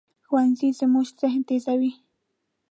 ښوونځی زموږ ذهن تیزوي